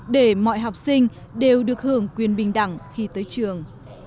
để mọi học sinh đều được hưởng quyền bình đẳng khi tới trường